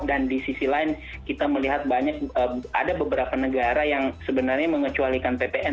dan di sisi lain kita melihat banyak ada beberapa negara yang sebenarnya mengecualikan ppn